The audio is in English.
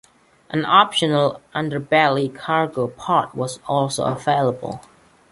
An optional underbelly cargo pod was also available.